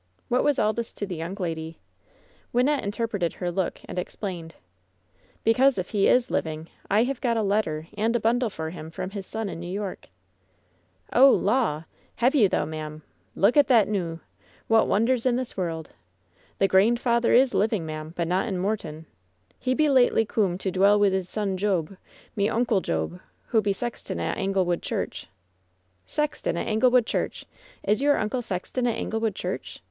What was all this to the young lady ? Wynnette interpreted her look and explained : "Because, if he is living, I have got a letter and a bundle for him from his son in New York." "Oh, Law ! hev you, though, ma'am ? Look at thet, 802 LOVE'S BITTEREST CUP noo ! What wonders in this world. The grandf eyther is living, ma'am, but not in Moorton. He be lately coom to dwell wi' 'is son Job, me Oncle Job, who be sex ton at Anglewood church." "Sexton at Anglewood church ! Is your uncle sexton at Anglewood church ?